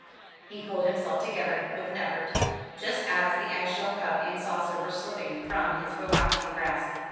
He pulled himself together with an effort, just as the eggshell cup and saucer were slipping from his relaxing grasp.